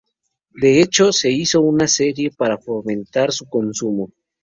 De hecho, se hizo una serie para fomentar su consumo.